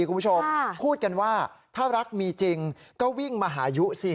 คุณผู้ชมพูดกันว่าถ้ารักมีจริงก็วิ่งมาหายุสิ